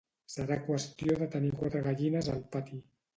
Serà qüestió de tenir quatre gallines al pati